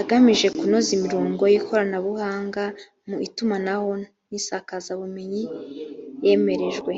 agamije kunoza imirongo y ikoranabuhanga mu itumanaho n isakazabumenyi yemerejwe